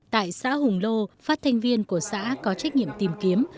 tại xã hùng lô phát thanh viên của xã có trách nhiệm tìm kiếm